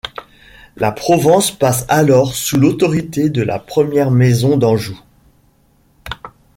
La Provence passe alors sous l'autorité de la première maison d'Anjou.